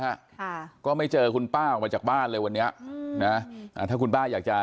ค่ะก็ไม่เจอคุณป้าออกมาจากบ้านเลยวันนี้นะอ่าถ้าคุณป้าอยากจะ